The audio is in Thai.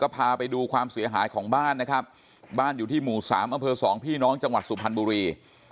พาไปดูความเสียหายของบ้านนะครับบ้านอยู่ที่หมู่สามอำเภอสองพี่น้องจังหวัดสุพรรณบุรี